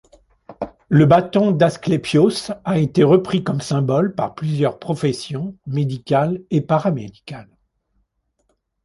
Le bâton d'Asclépios a été repris comme symbole par plusieurs professions médicales et paramédicales.